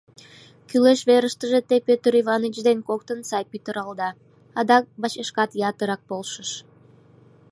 Кӱлеш верыштыже те Пӧтыр Иваныч дене коктын сай пӱтыралда, адак бачышкат ятырак полшыш.